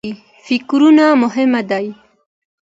فکرونه مهم دي.